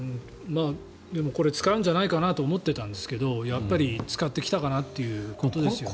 これ使うんじゃないかなと思っていたんですけどやっぱり使ってきたかなということですよね。